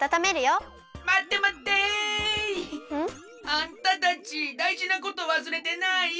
あんたたちだいじなことわすれてない！？